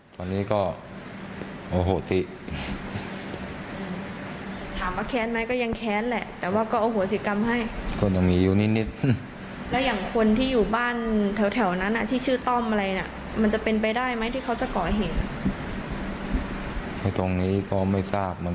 ตรงนี้ก็ไม่ทราบเหมือนกัน